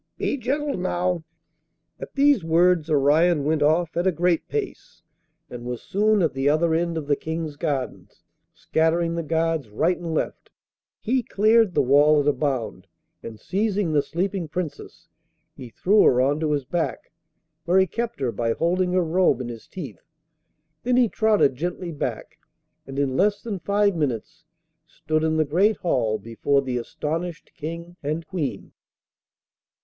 Be gentle now!' At these words Orion went off at a great pace, and was soon at the other end of the King's gardens. Scattering the guards right and left, he cleared the wall at a bound, and seizing the sleeping Princess, he threw her on to his back, where he kept her by holding her robe in his teeth. Then he trotted gently back, and in less than five minutes stood in the great hall before the astonished King and Queen.